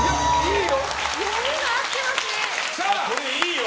読みが合ってますね！